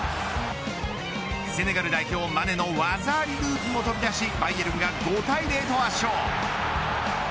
セネガル代表マネの技ありループも飛び出しバイエルンが５対０と圧勝。